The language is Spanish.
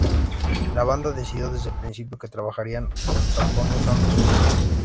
La banda decidió desde el principio que trabajarían con Sapone, usando su estudio.